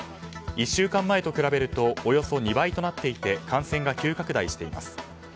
１週間前と比べるとおよそ２倍となっていて感染が急拡大しています。